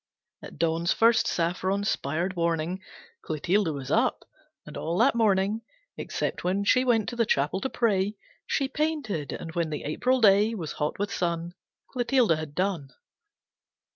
At dawn's first saffron spired warning Clotilde was up. And all that morning, Except when she went to the chapel to pray, She painted, and when the April day Was hot with sun, Clotilde had done.